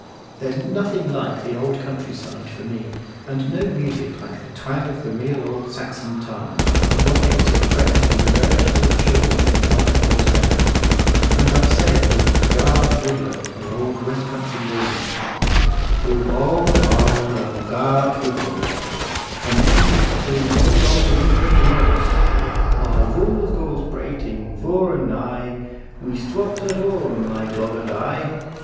There's nothing like the old country side for me, and no music like the twang of the real old Saxon tongue, as one gets it fresh from the veritable chaw in the White Horse Vale; and I say with "Gaarge Ridler," the old west country yeoman, "Throo aall the waarld owld Gaarge would bwoast, Commend me to merry owld England mwoast; While vools gwoes prating vur and nigh, We stwops at whum, my dog and I."